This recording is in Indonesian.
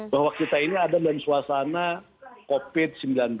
bahwa kita ini ada dalam suasana covid sembilan belas